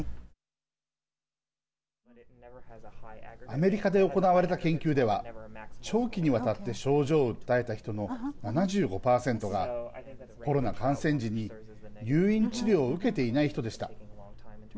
アメリカで行われた研究では長期にわたって症状を訴えた人の７５％がコロナ感染時に入院治療を受けていない人でした。